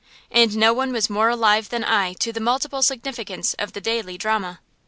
And no one was more alive than I to the multiple significance of the daily drama.